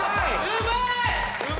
うまーい！